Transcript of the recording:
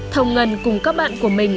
thông ngân cùng các bạn của mình